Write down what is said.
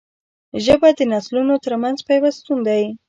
ژبه د نسلونو ترمنځ پیوستون دی